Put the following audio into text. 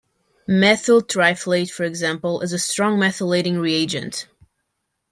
Methyl triflate, for example, is a strong methylating reagent.